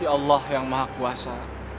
ya allah yang maha kuasa